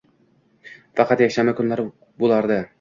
Faqat yakshanba kunlari boʻlardi.